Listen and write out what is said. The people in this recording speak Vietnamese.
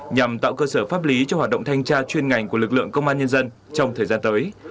nhằm tạo cơ sở pháp lý cho hoạt động thanh tra chuyên ngành của lực lượng công an nhân dân trong thời gian tới